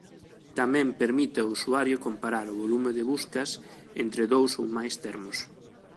Tamén permite ao usuario comparar o volume de buscas entre dous ou máis termos.